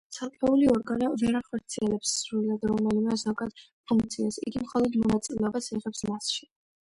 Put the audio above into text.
ცალკეული ორგანო ვერ ახორციელებს სრულად რომელიმე ზოგად ფუნქციას, იგი მხოლოდ მონაწილეობას იღებს მასში.